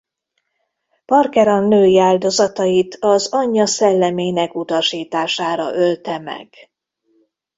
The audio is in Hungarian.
Parker a női áldozatait az anyja szellemének utasítására ölte meg.